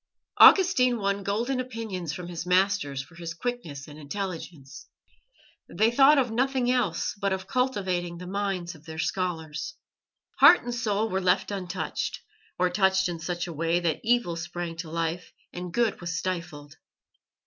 Augustine won golden opinions from his masters for his quickness and intelligence. They thought of nothing else but of cultivating the minds of their scholars. Heart and soul were left untouched, or touched in such a way that evil sprang to life and good was stifled.